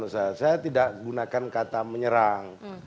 saya tidak gunakan kata menyerang